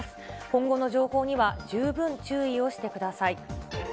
今後の情報には十分注意をしてください。